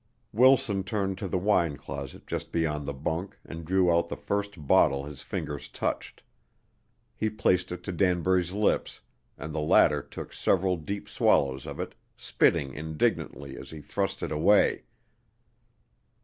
Wilson turned to the wine closet just beyond the bunk and drew out the first bottle his fingers touched. He placed it to Danbury's lips, and the latter took several deep swallows of it, spitting indignantly as he thrust it away.